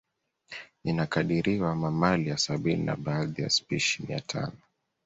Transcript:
Inakadiriwa mamalia sabini na baadhi ya spishi mia tano